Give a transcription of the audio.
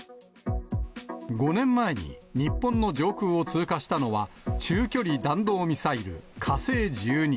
５年前に、日本の上空を通過したのは、中距離弾道ミサイル火星１２。